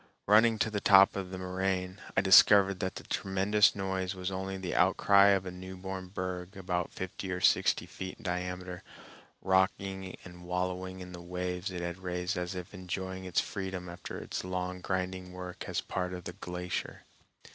Running to the top of the moraine, I discovered that the tremendous noise was only the outcry of a newborn berg about fifty or sixty feet in diameter, rocking and wallowing in the waves it had raised as if enjoying its freedom after its long grinding work as part of the glacier.